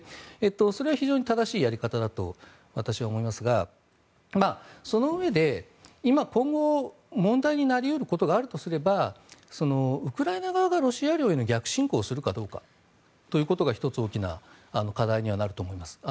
それは非常に正しいやり方だと私は思いますがそのうえで、今後問題になり得ることがあるとすればウクライナ側がロシア領への逆侵攻をするかどうかということが１つ大きな課題になると思います。